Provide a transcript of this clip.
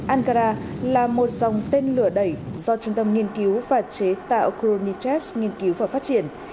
ankara là một dòng tên lửa đẩy do trung tâm nghiên cứu và chế tạo grounitefs nghiên cứu và phát triển